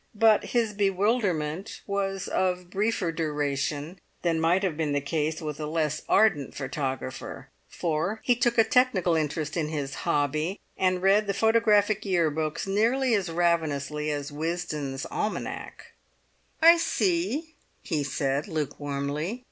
But his bewilderment was of briefer duration than might have been the case with a less ardent photographer; for he took a technical interest in his hobby, and read the photographic year books, nearly as ravenously as Wisden's Almanacke. "I see," he said, lukewarmly.